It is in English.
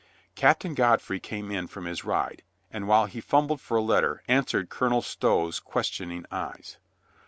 Captain Godfre)'^ came in from his ride, and while he fumbled for a letter, answered Colonel Stow's questioning eyes.